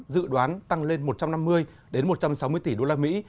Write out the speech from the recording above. dự đoán tăng lên một trăm năm mươi một trăm sáu mươi tỷ đô la mỹ